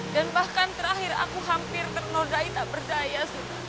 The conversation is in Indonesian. dan bahkan terakhir aku hampir ternodai tak berdaya